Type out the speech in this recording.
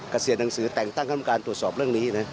กระเศียรหนังสือแต่งตั้งทำการตรวจสอบเรื่องนี้